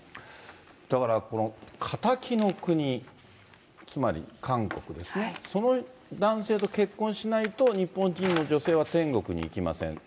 だからこの敵の国、つまり韓国ですね、その男性と結婚しないと、日本人の女性は天国に行けません。